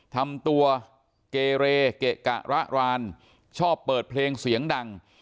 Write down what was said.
ทำตัวเกเรเกะกะระรานชอบเปิดเพลงเสียงดัง